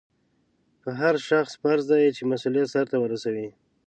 په هر شخص فرض دی چې مسؤلیت سرته ورسوي.